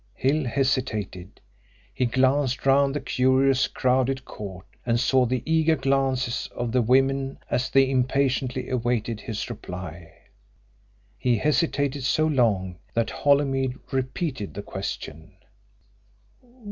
Hill hesitated. He glanced round the curious crowded court and saw the eager glances of the women as they impatiently awaited his reply. He hesitated so long that Holymead repeated the question.